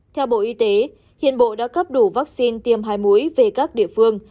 theo bộ y tế hiện bộ đã cấp đủ vaccine tiêm hai mũi về các địa phương